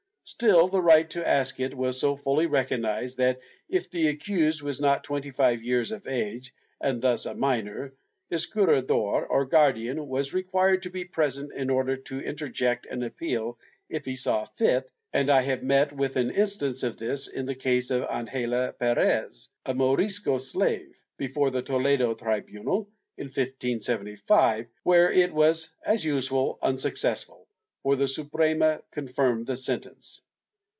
^ Still the right to ask it was so fully recognized that, if the accused was not twenty five years of age and thus a minor, his curador or guardian was required to be present, in order to interject an appeal if he saw fit, and I have met with an instance of this in the case of Angela Perez, a Morisco slave, before the Toledo tribunal in 1575, where it was as usual unsuccessful, for the Suprema confirmed the sentence.